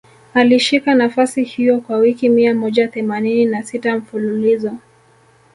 Alishika nafasi hiyo kwa wiki mia moja themanini na sita mfululizo